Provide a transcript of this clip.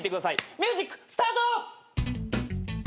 ミュージックスタート！